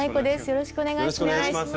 よろしくお願いします。